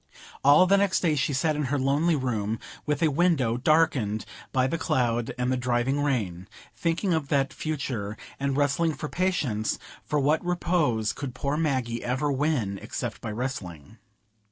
All the next day she sat in her lonely room, with a window darkened by the cloud and the driving rain, thinking of that future, and wrestling for patience; for what repose could poor Maggie ever win except by wrestling?